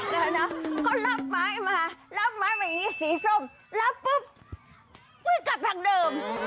เด็กเขารับไม้มารับไม้มาอีกสีส้มรับปุ๊บวิ่งกลับทางเดิม